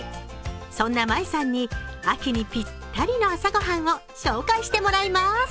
そんなＭａｉさんに秋にぴったりな朝ごはんを詳細してもらいます。